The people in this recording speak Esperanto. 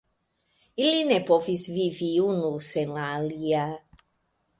Ili ne povis vivi unu sen la alia.